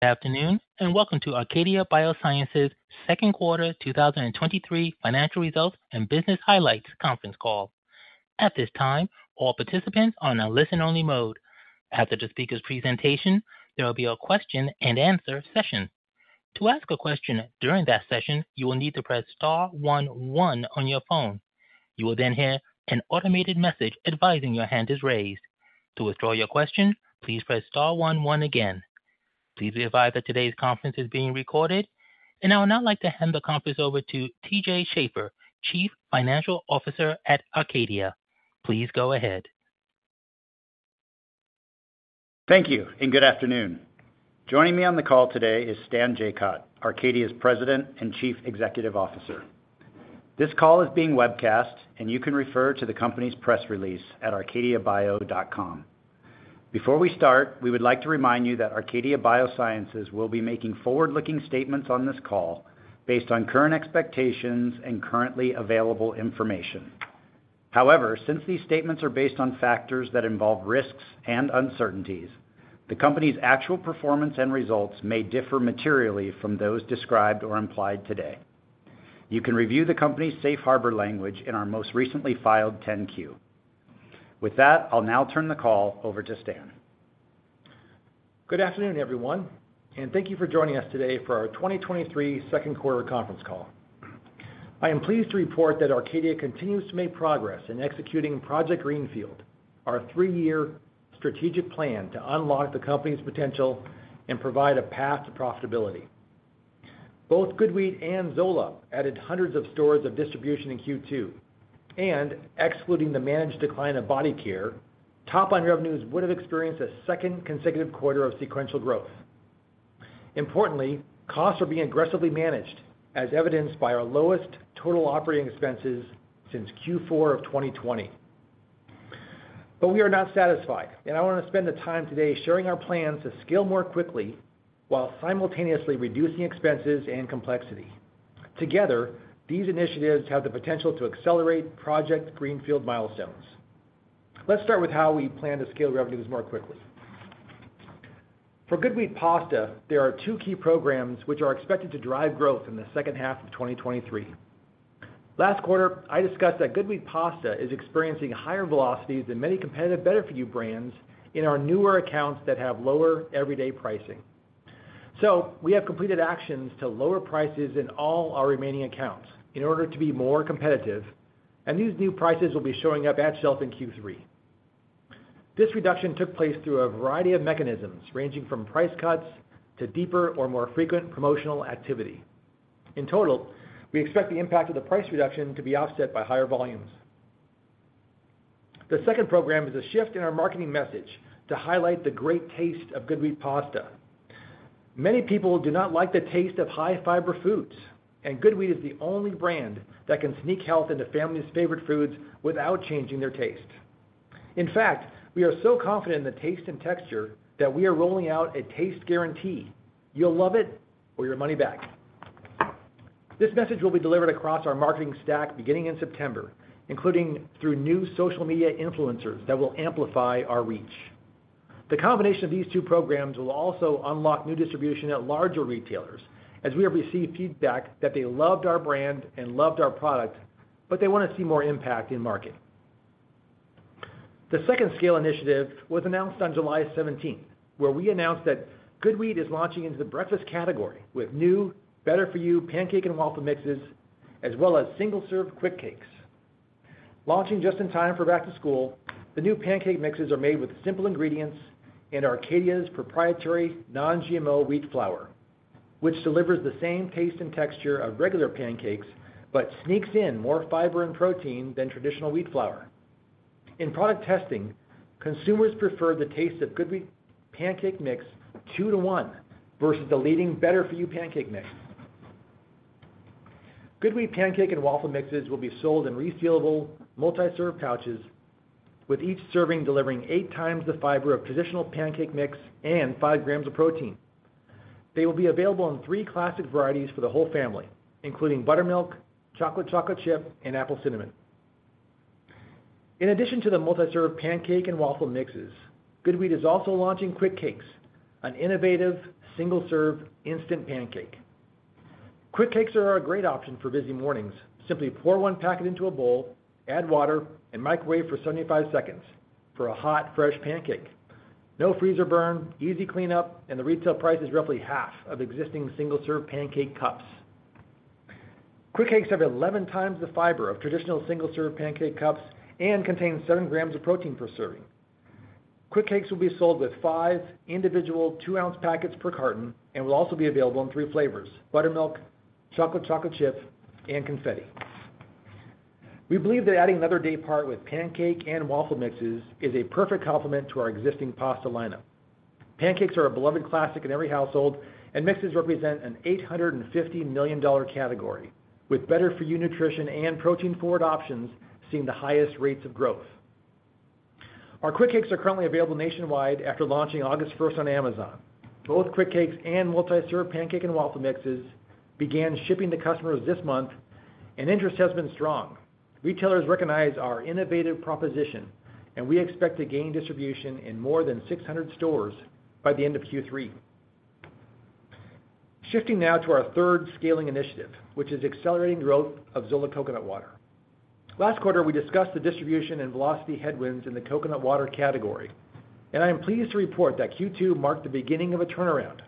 Good afternoon, and welcome to Arcadia Biosciences' second quarter 2023 financial results and business highlights conference call. At this time, all participants are on a listen-only mode. After the speaker's presentation, there will be a question and answer session. To ask a question during that session, you will need to press star one one on your phone. You will then hear an automated message advising your hand is raised. To withdraw your question, please press star one one again. Please be advised that today's conference is being recorded. I would now like to hand the conference over to T.J. Schaefer, Chief Financial Officer at Arcadia. Please go ahead. Thank you, good afternoon. Joining me on the call today is Stan Jacot, Arcadia's President and Chief Executive Officer. This call is being webcast, you can refer to the company's press release at arcadiabio.com. Before we start, we would like to remind you that Arcadia Biosciences will be making forward-looking statements on this call based on current expectations and currently available information. However, since these statements are based on factors that involve risks and uncertainties, the company's actual performance and results may differ materially from those described or implied today. You can review the company's safe harbor language in our most recently filed Form 10-Q. With that, I'll now turn the call over to Stan. Good afternoon, everyone, and thank you for joining us today for our 2023 second-quarter conference call. I am pleased to report that Arcadia continues to make progress in executing Project Greenfield, our three-year strategic plan to unlock the company's potential and provide a path to profitability. Both GoodWheat and Zola added hundreds of stores of distribution in Q2, and excluding the managed decline of Body Care, top-line revenues would have experienced a second consecutive quarter of sequential growth. Importantly, costs are being aggressively managed, as evidenced by our lowest total operating expenses since Q4 of 2020. We are not satisfied, and I want to spend the time today sharing our plans to scale more quickly while simultaneously reducing expenses and complexity. Together, these initiatives have the potential to accelerate Project Greenfield milestones. Let's start with how we plan to scale revenues more quickly. For GoodWheat pasta, there are two key programs which are expected to drive growth in the second half of 2023. Last quarter, I discussed that GoodWheat pasta is experiencing higher velocities than many competitive better-for-you brands in our newer accounts that have lower everyday pricing. We have completed actions to lower prices in all our remaining accounts in order to be more competitive, and these new prices will be showing up at shelf in Q3. This reduction took place through a variety of mechanisms, ranging from price cuts to deeper or more frequent promotional activity. In total, we expect the impact of the price reduction to be offset by higher volumes. The second program is a shift in our marketing message to highlight the great taste of GoodWheat pasta. Many people do not like the taste of high-fiber foods. GoodWheat is the only brand that can sneak health into families' favorite foods without changing their taste. In fact, we are so confident in the taste and texture that we are rolling out a taste guarantee: you'll love it or your money back. This message will be delivered across our marketing stack beginning in September, including through new social media influencers that will amplify our reach. The combination of these two programs will also unlock new distribution at larger retailers, as we have received feedback that they loved our brand and loved our product, but they want to see more impact in marketing. The second scale initiative was announced on July 17th, where we announced that GoodWheat is launching into the breakfast category with new, better-for-you pancake and waffle mixes, as well as single-serve Quikcakes. Launching just in time for back to school, the new pancake mixes are made with simple ingredients in Arcadia's proprietary non-GMO wheat flour, which delivers the same taste and texture of regular pancakes, sneaks in more fiber and protein than traditional wheat flour. In product testing, consumers preferred the taste of GoodWheat pancake mix two to one versus the leading better-for-you pancake mix. GoodWheat pancake and waffle mixes will be sold in resealable, multi-serve pouches, with each serving delivering eight times the fiber of traditional pancake mix and 5 g of protein. They will be available in three classic varieties for the whole family, including buttermilk, chocolate chocolate chip, and apple cinnamon. In addition to the multi-serve pancake and waffle mixes, GoodWheat is also launching Quikcakes, an innovative, single-serve, instant pancake. Quikcakes are a great option for busy mornings. Simply pour one packet into a bowl, add water, and microwave for 75 seconds for a hot, fresh pancake. No freezer burn, easy cleanup, the retail price is roughly half of existing single-serve pancake cups. Quikcakes have 11 times the fiber of traditional single-serve pancake cups and contains 7 g of protein per serving. Quikcakes will be sold with five individual 2-oz packets per carton and will also be available in three flavors: buttermilk, chocolate chocolate chip, and confetti. We believe that adding another day part with pancake and waffle mixes is a perfect complement to our existing pasta lineup. Pancakes are a beloved classic in every household, mixes represent a $850 million category, with better-for-you nutrition and protein-forward options seeing the highest rates of growth. Our Quikcakes are currently available nationwide after launching August 1st on Amazon. Both Quikcakes and multi-serve pancake and waffle mixes began shipping to customers this month. Interest has been strong. Retailers recognize our innovative proposition. We expect to gain distribution in more than 600 stores by the end of Q3. Shifting now to our third scaling initiative, which is accelerating growth of Zola coconut water. Last quarter, we discussed the distribution and velocity headwinds in the coconut water category. I am pleased to report that Q2 marked the beginning of a turnaround.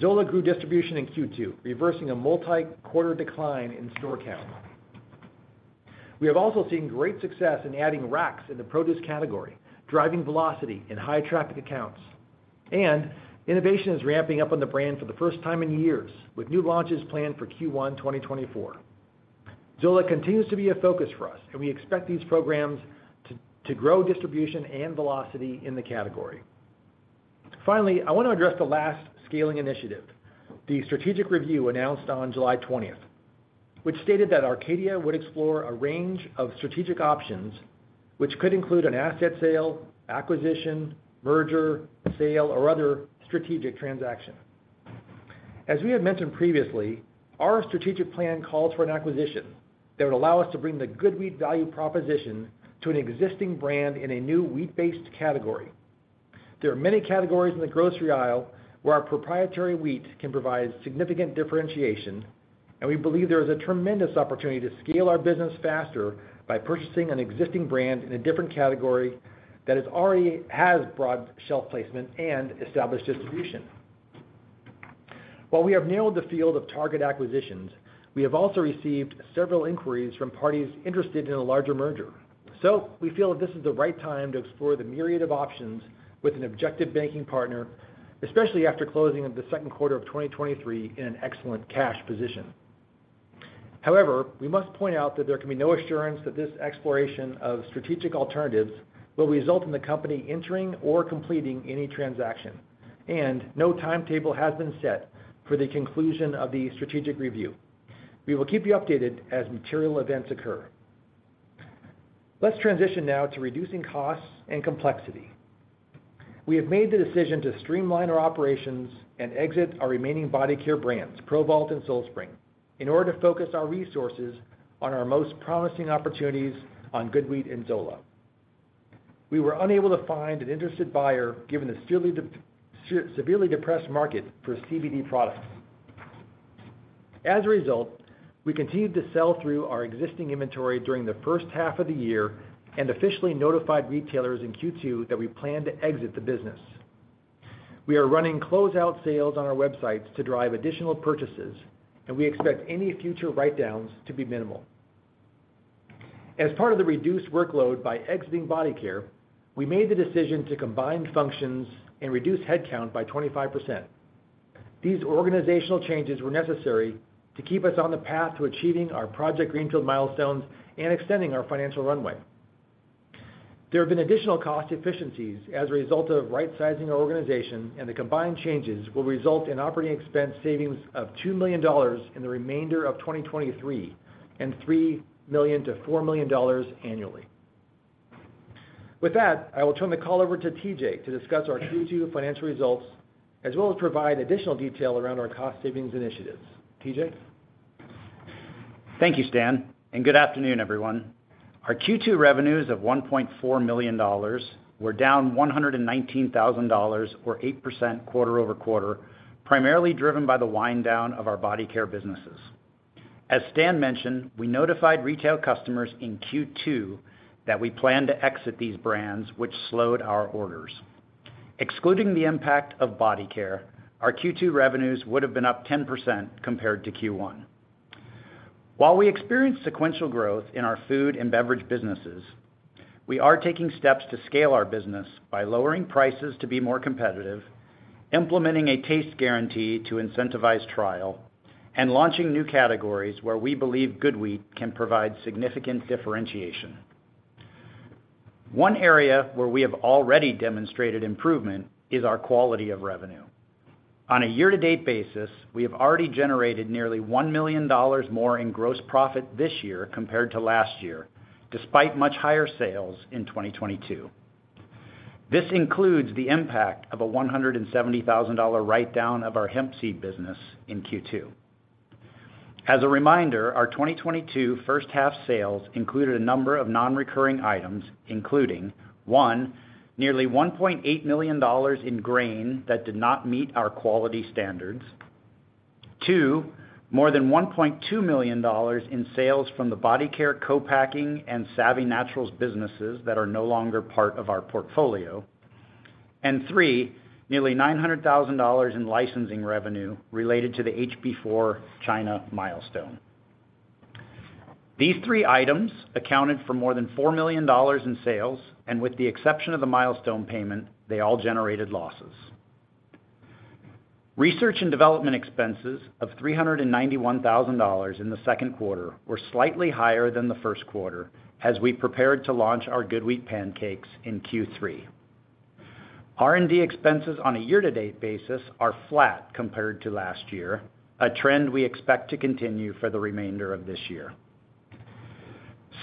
Zola grew distribution in Q2, reversing a multi-quarter decline in store count. We have also seen great success in adding racks in the produce category, driving velocity in high traffic accounts. Innovation is ramping up on the brand for the first time in years, with new launches planned for Q1, 2024. Zola continues to be a focus for us. We expect these programs to grow distribution and velocity in the category. Finally, I want to address the last scaling initiative, the strategic review announced on July 20th, which stated that Arcadia would explore a range of strategic options, which could include an asset sale, acquisition, merger, sale, or other strategic transaction. As we had mentioned previously, our strategic plan calls for an acquisition that would allow us to bring the GoodWheat value proposition to an existing brand in a new wheat-based category. There are many categories in the grocery aisle where our proprietary wheat can provide significant differentiation, and we believe there is a tremendous opportunity to scale our business faster by purchasing an existing brand in a different category that already has broad shelf placement and established distribution. While we have narrowed the field of target acquisitions, we have also received several inquiries from parties interested in a larger merger. So, we feel that this is the right time to explore the myriad of options with an objective banking partner, especially after closing of the second quarter of 2023 in an excellent cash position. However, we must point out that there can be no assurance that this exploration of strategic alternatives will result in the company entering or completing any transaction, and no timetable has been set for the conclusion of the strategic review. We will keep you updated as material events occur. Let's transition now to reducing costs and complexity. We have made the decision to streamline our operations and exit our remaining Body Care brands, ProVault and Soul Spring, in order to focus our resources on our most promising opportunities on GoodWheat and Zola. We were unable to find an interested buyer given the severely depressed market for CBD products. As a result, we continued to sell through our existing inventory during the first half of the year and officially notified retailers in Q2 that we plan to exit the business. We are running closeout sales on our websites to drive additional purchases. We expect any future write-downs to be minimal. As part of the reduced workload by exiting Body Care, we made the decision to combine functions and reduce headcount by 25%. These organizational changes were necessary to keep us on the path to achieving our Project Greenfield milestones and extending our financial runway. There have been additional cost efficiencies as a result of right-sizing our organization, and the combined changes will result in operating expense savings of $2 million in the remainder of 2023, and $3 million-$4 million annually. With that, I will turn the call over to T.J. to discuss our Q2 financial results, as well as provide additional detail around our cost savings initiatives. T.J.? Thank you, Stan, and good afternoon, everyone. Our Q2 revenues of $1.4 million were down $119,000, or 8% quarter-over-quarter, primarily driven by the wind down of our Body Care businesses. As Stan mentioned, we notified retail customers in Q2 that we plan to exit these brands, which slowed our orders. Excluding the impact of Body Care, our Q2 revenues would have been up 10% compared to Q1. While we experienced sequential growth in our food and beverage businesses, we are taking steps to scale our business by lowering prices to be more competitive, implementing a taste guarantee to incentivize trial, and launching new categories where we believe GoodWheat can provide significant differentiation. One area where we have already demonstrated improvement is our quality of revenue. On a year-to-date basis, we have already generated nearly $1 million more in gross profit this year compared to last year, despite much higher sales in 2022. This includes the impact of a $170,000 write-down of our hemp seed business in Q2. As a reminder, our 2022 first half sales included a number of non-recurring items, including, one, nearly $1.8 million in grain that did not meet our quality standards. Two, more than $1.2 million in sales from the Body Care co-packing and Saavy Naturals businesses that are no longer part of our portfolio. Three, nearly $900,000 in licensing revenue related to the HB4 China milestone. These three items accounted for more than $4 million in sales, and with the exception of the milestone payment, they all generated losses. Research and development expenses of $391,000 in the second quarter were slightly higher than the first quarter as we prepared to launch our GoodWheat pancakes in Q3. R&D expenses on a year-to-date basis are flat compared to last year, a trend we expect to continue for the remainder of this year.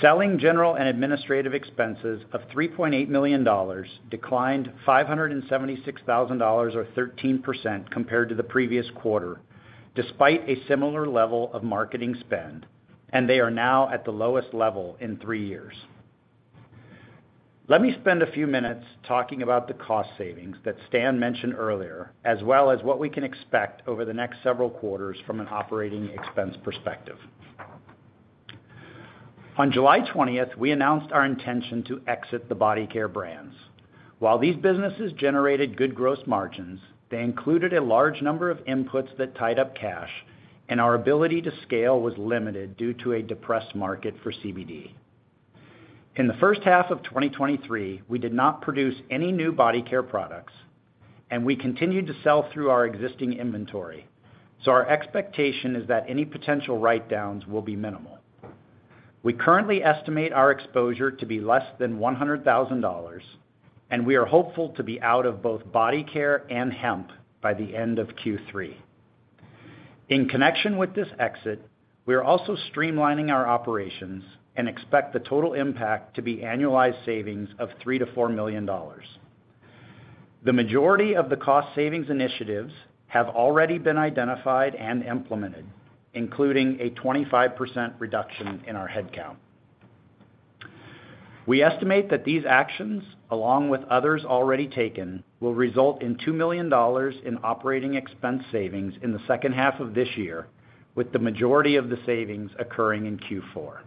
Selling, general, and administrative expenses of $3.8 million declined $576,000 or 13% compared to the previous quarter, despite a similar level of marketing spend, and they are now at the lowest level in three years. Let me spend a few minutes talking about the cost savings that Stan mentioned earlier, as well as what we can expect over the next several quarters from an operating expense perspective. On July 20th, we announced our intention to exit the Body Care brands. While these businesses generated good gross margins, they included a large number of inputs that tied up cash, and our ability to scale was limited due to a depressed market for CBD. In the first half of 2023, we did not produce any new Body Care products, and we continued to sell through our existing inventory. Our expectation is that any potential write-downs will be minimal. We currently estimate our exposure to be less than $100,000, and we are hopeful to be out of both Body Care and Hemp by the end of Q3. In connection with this exit, we are also streamlining our operations and expect the total impact to be annualized savings of $3 million-$4 million. The majority of the cost savings initiatives have already been identified and implemented, including a 25% reduction in our headcount. We estimate that these actions, along with others already taken, will result in $2 million in operating expense savings in the second half of this year, with the majority of the savings occurring in Q4.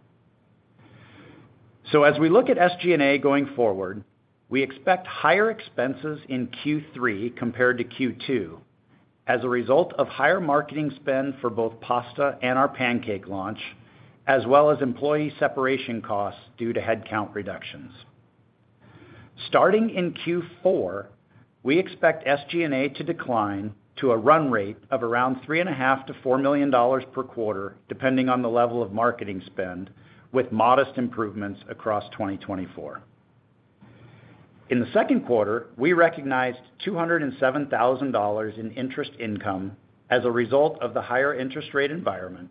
As we look at SG&A going forward, we expect higher expenses in Q3 compared to Q2 as a result of higher marketing spend for both pasta and our pancake launch, as well as employee separation costs due to headcount reductions. Starting in Q4, we expect SG&A to decline to a run rate of around $3.5 million-$4 million per quarter, depending on the level of marketing spend, with modest improvements across 2024. In the second quarter, we recognized $207,000 in interest income as a result of the higher interest rate environment,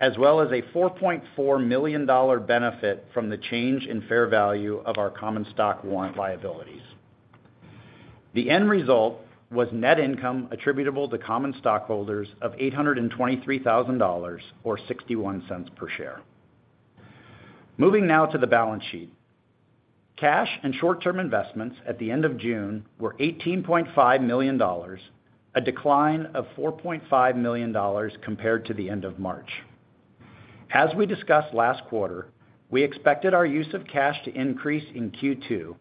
as well as a $4.4 million benefit from the change in fair value of our common stock warrant liabilities. The end result was net income attributable to common stockholders of $823,000, or $0.61 per share. Moving now to the balance sheet. Cash and short-term investments at the end of June were $18.5 million, a decline of $4.5 million compared to the end of March. As we discussed last quarter, we expected our use of cash to increase in Q2,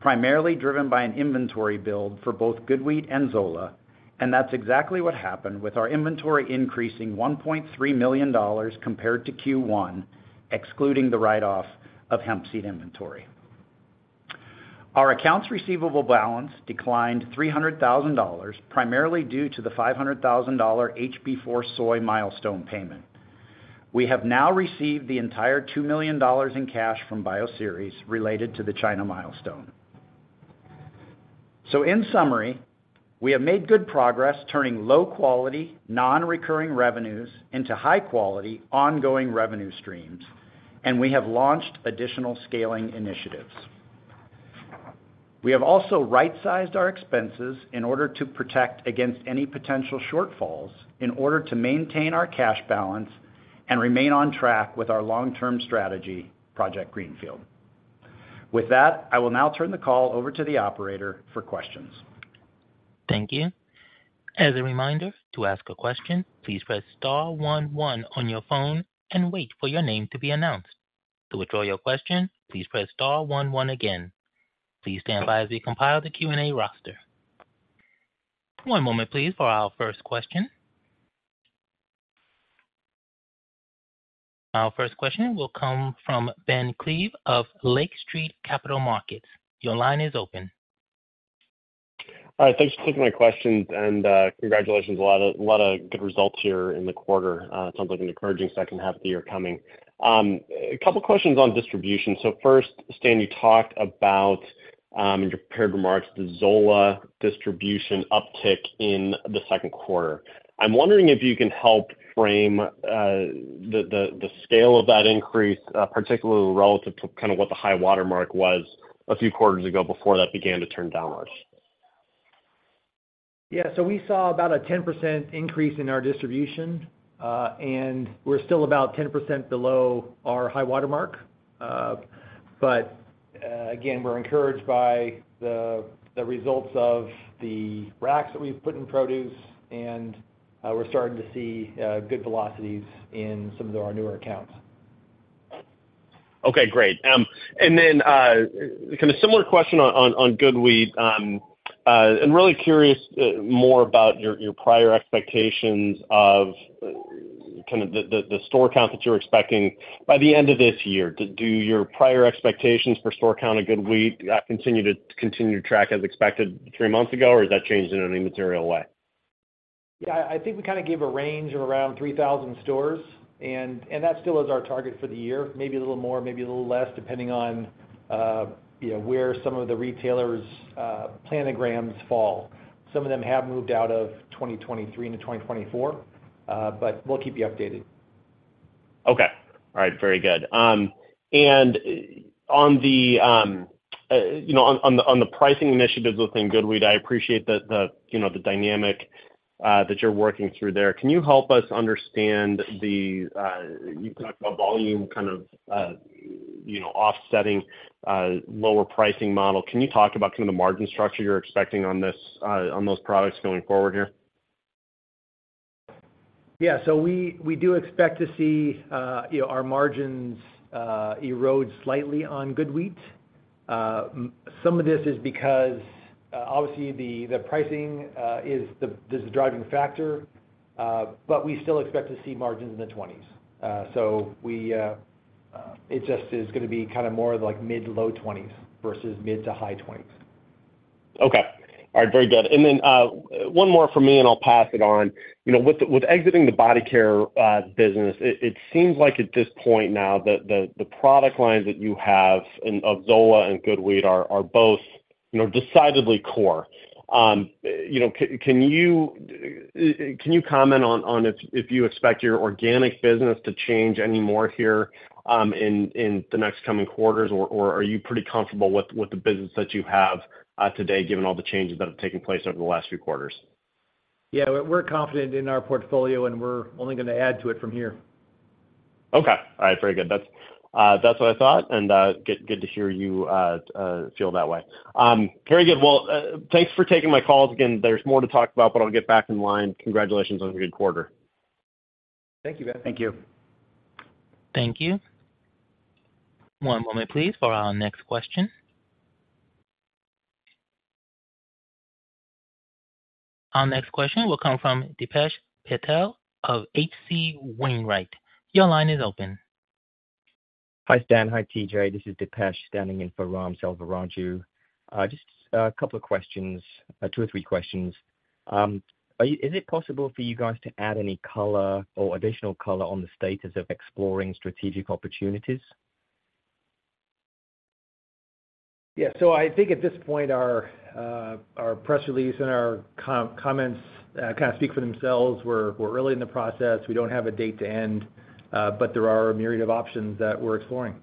primarily driven by an inventory build for both GoodWheat and Zola, and that's exactly what happened with our inventory increasing $1.3 million compared to Q1, excluding the write-off of hemp seed inventory. Our accounts receivable balance declined $300,000, primarily due to the $500,000 HB4 Soy milestone payment. We have now received the entire $2 million in cash from Bioceres related to the China milestone. In summary, we have made good progress turning low-quality, non-recurring revenues into high-quality, ongoing revenue streams, and we have launched additional scaling initiatives. We have also right-sized our expenses in order to protect against any potential shortfalls in order to maintain our cash balance and remain on track with our long-term strategy, Project Greenfield. With that, I will now turn the call over to the operator for questions. Thank you. As a reminder, to ask a question, please press star one, one on your phone and wait for your name to be announced. To withdraw your question, please press star one, one again. Please stand by as we compile the Q&A roster. One moment, please, for our first question. Our first question will come from Ben Klieve of Lake Street Capital Markets. Your line is open. All right, thanks for taking my questions and congratulations. A lot of, lot of good results here in the quarter. It sounds like an encouraging second half of the year coming. A couple questions on distribution. First, Stan, you talked about in your prepared remarks, the Zola distribution uptick in the second quarter. I'm wondering if you can help frame the scale of that increase, particularly relative to kind of what the high water mark was a few quarters ago before that began to turn downwards. Yeah, we saw about a 10% increase in our distribution, and we're still about 10% below our high water mark. Again, we're encouraged by the results of the racks that we've put in produce, and we're starting to see good velocities in some of our newer accounts. Okay, great. Kind of similar question on GoodWheat. I'm really curious more about your prior expectations of kind of the store count that you're expecting by the end of this year. Do your prior expectations for store count of GoodWheat continue to track as expected three months ago, or has that changed in any material way? Yeah, I think we kind of gave a range of around 3,000 stores, and that still is our target for the year. Maybe a little more, maybe a little less, depending on, you know, where some of the retailers' planograms fall. Some of them have moved out of 2023 into 2024, but we'll keep you updated. Okay. All right, very good. On the, you know, on, on the, on the pricing initiatives within GoodWheat, I appreciate that the, you know, the dynamic that you're working through there. Can you help us understand the, you talked about volume kind of, you know, offsetting, lower pricing model? Can you talk about some of the margin structure you're expecting on this, on those products going forward here? Yeah. We, we do expect to see, you know, our margins erode slightly on GoodWheat. Some of this is because, obviously, the, the pricing is the, is the driving factor, but we still expect to see margins in the 20s. It just is gonna be kind of more like mid-low 20s versus mid to high 20s. Okay. All right, very good. Then, one more from me, and I'll pass it on. You know, with, with exiting the Body Care business, it, it seems like at this point now, the, the, the product lines that you have of Zola and GoodWheat are, are both, you know, decidedly core. You know, can, can you, can you comment on, on if, if you expect your organic business to change any more here, in, in the next coming quarters, or, or are you pretty comfortable with, with the business that you have, today, given all the changes that have taken place over the last few quarters? Yeah, we're confident in our portfolio, and we're only gonna add to it from here. Okay. All right, very good. That's, that's what I thought, and good, good to hear you feel that way. Very good. Well, thanks for taking my call. Again, there's more to talk about, but I'll get back in line. Congratulations on a good quarter. Thank you, Ben. Thank you. Thank you. One moment, please, for our next question. Our next question will come from Dipesh Patel of H.C. Wainwright. Your line is open. Hi, Stan. Hi, T.J. This is Dipesh standing in for Ram Selvaraju. Just a couple of questions, two or three questions. Is it possible for you guys to add any color or additional color on the status of exploring strategic opportunities? Yeah. I think at this point, our, our press release and our comments kind of speak for themselves. We're early in the process. We don't have a date to end, but there are a myriad of options that we're exploring.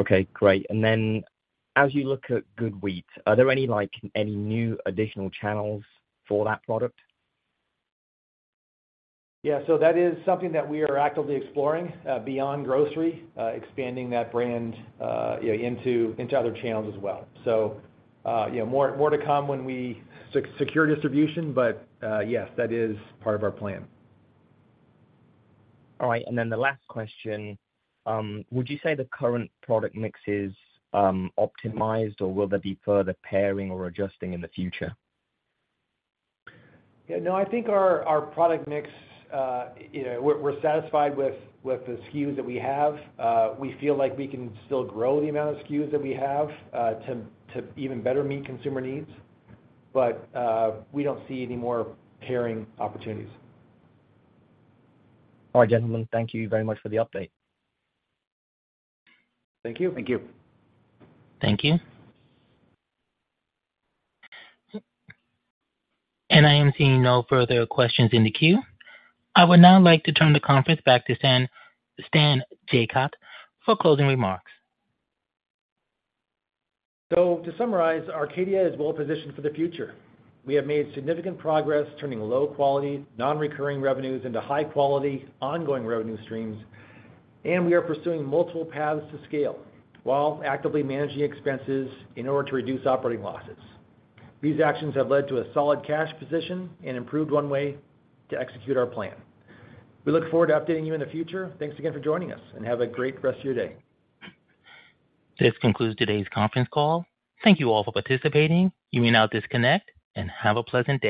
Okay, great. Then as you look at GoodWheat, are there any, like, any new additional channels for that product? Yeah, that is something that we are actively exploring, beyond grocery, expanding that brand, you know, into, into other channels as well. Yeah, more, more to come when we secure distribution, but, yes, that is part of our plan. All right. Then the last question, would you say the current product mix is optimized, or will there be further pairing or adjusting in the future? Yeah, no, I think our product mix, you know, we're satisfied with the SKUs that we have. We feel like we can still grow the amount of SKUs that we have to even better meet consumer needs, but we don't see any more pairing opportunities. All right, gentlemen. Thank you very much for the update. Thank you. Thank you. Thank you. I am seeing no further questions in the queue. I would now like to turn the conference back to Stan Jacot for closing remarks. To summarize, Arcadia is well positioned for the future. We have made significant progress turning low-quality, non-recurring revenues into high quality, ongoing revenue streams, and we are pursuing multiple paths to scale while actively managing expenses in order to reduce operating losses. These actions have led to a solid cash position and improved runway to execute our plan. We look forward to updating you in the future. Thanks again for joining us and have a great rest of your day. This concludes today's conference call. Thank you all for participating. You may now disconnect and have a pleasant day.